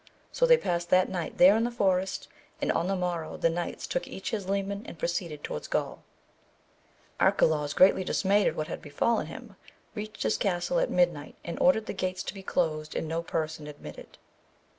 So they passed that night there in the forest, and on the morrow the knights took each his leman and proceeded towards Gaul. Arcalaus greatly dismayed at what had befallen him reached his castle at midnight, and ordered the gates AMADIS OF GAVL. 233 to be closed, and no person admitted.